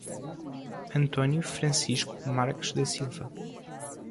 Antônio Francisco Marques da Silva